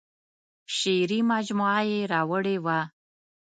شعري مجموعه یې راوړې وه.